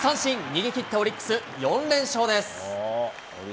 逃げ切ったオリックス、４連勝です。